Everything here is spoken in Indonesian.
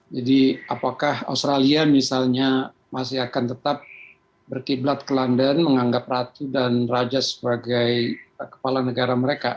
apakah australia misalnya masih akan tetap berkiblat ke london menganggap ratu dan raja sebagai kepala negara mereka